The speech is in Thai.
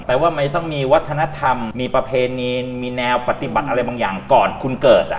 ว่ามันต้องมีวัฒนธรรมมีประเพณีมีแนวปฏิบัติอะไรบางอย่างก่อนคุณเกิด